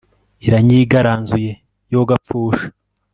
iranyigaranzuye yogapfusha